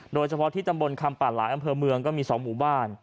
โดยเฉพาะที่ตำบลคำป่าหลายอำเภอเมืองก็มี๒หมู่บ้าน